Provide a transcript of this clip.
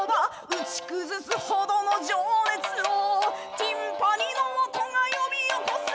「打ち崩すほどの情熱をティンパニの音が呼び起こす」